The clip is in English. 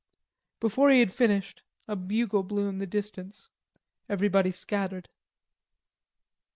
Before he had finished a bugle blew in the distance. Everybody scattered.